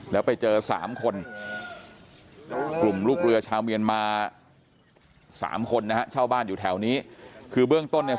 แล้วไปเจอสามคนกลุ่มลูกเรือชาวเมียนมาสามคนนะฮะเช่าบ้านอยู่แถวนี้คือเบื้องต้นเนี่ย